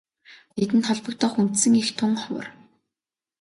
Тэдэнд холбогдох үндсэн эх тун ховор.